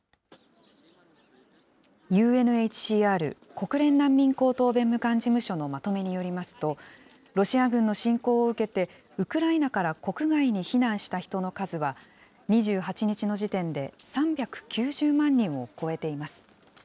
ＵＮＨＣＲ・国連難民高等弁務官事務所のまとめによりますと、ロシア軍の侵攻を受けて、ウクライナから国外に避難した人の数は、２８日の時点で３９０万人を超えています。